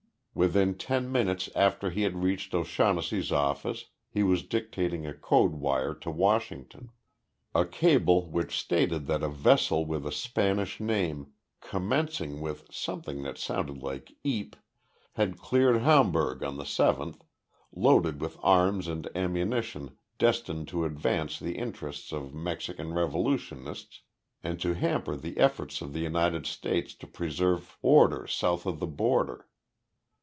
Within ten minutes after he had reached O'Shaughnessy's office he was dictating a code wire to Washington a cable which stated that a vessel with a Spanish name, commencing with something that sounded like "Eep," had cleared Hamburg on the seventh, loaded with arms and ammunition destined to advance the interests of Mexican revolutionists and to hamper the efforts of the United States to preserve order south of the border.